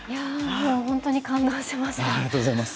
本当に感動しました。